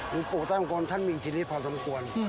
ถึงปกติต้องควรท่านมีทีนี้พอสมควร